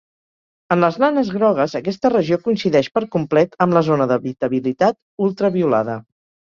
En les nanes grogues, aquesta regió coincideix per complet amb la zona d'habitabilitat ultraviolada.